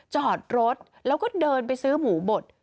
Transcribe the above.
จอดรถแล้วก็เดินไปซื้อหมูบด